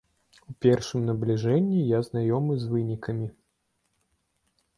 У першым набліжэнні я знаёмы з вынікамі.